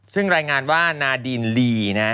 ซึ่งรายงานว่านาดินลีนะ